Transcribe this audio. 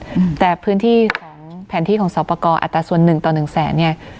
อืมแต่พื้นที่ของแผนที่ของสอบประกอบอัตราส่วนหนึ่งต่อหนึ่งแสนเนี้ย